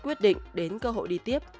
quyết định đến cơ hội đi tiếp